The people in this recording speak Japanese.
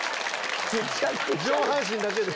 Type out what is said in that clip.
上半身だけで？